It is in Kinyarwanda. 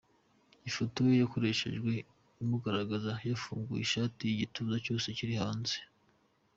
Ifoto ye yakoreshejwe, imugaragaza yafunguye ishati igituza cyose kiri hanze.